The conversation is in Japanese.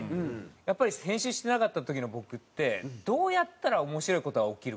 やっぱり編集してなかった時の僕ってどうやったら面白い事が起きるか。